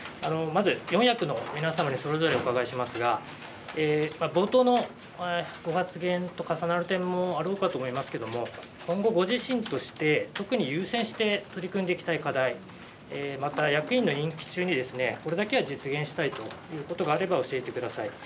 まず四役の皆様にそれぞれお伺いしますが、冒頭のご発言と重なる点もあろうかと思いますけれども、今後、ご自身として、特に優先して取り組んでいきたい課題、また役員の任期中にこれだけは実現したいということがあれば教えてください。